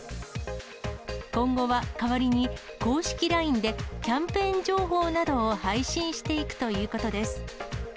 今後は、代わりに公式ＬＩＮＥでキャンペーン情報などを配信していくということです。